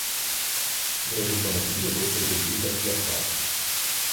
Gražių banalybių bus priguldyta tiek pat